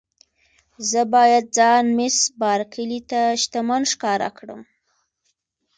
زه باید ځان مېس بارکلي ته شتمن ښکاره کړم.